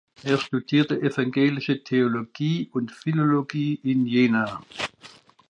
Er studierte Evangelische Theologie und Philologie in Jena.